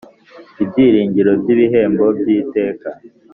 Ibyiringiro by'ibihembo by'iteka.